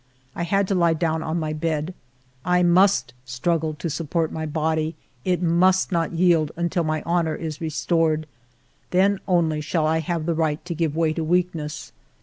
I had to lie down on my bed. I must struggle to support my body ; it must not yield until my honor is restored. Then only shall I have the right to give way to weakness.